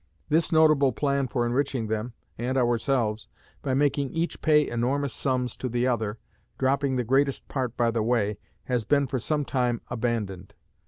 This notable plan for enriching them and ourselves by making each pay enormous sums to the other, dropping the greatest part by the way, has been for some time abandoned.